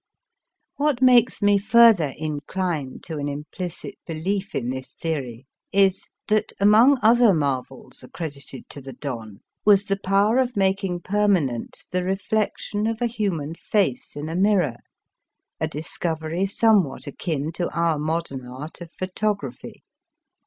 What makes me further incline to an implicit belief in this theory is, that among other marvels accredited to the Don was the power of making perma nent the reflection of a human face in a mirror, a discovery somewhat akin to our modern art of photography.